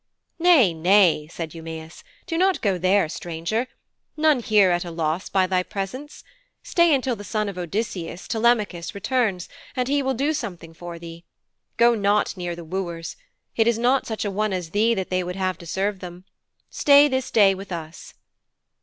'Nay, nay,' said Eumæus, 'do not go there, stranger. None here are at a loss by thy presence. Stay until the son of Odysseus, Telemachus, returns, and he will do something for thee. Go not near the wooers. It is not such a one as thee that they would have to serve them. Stay this day with us.'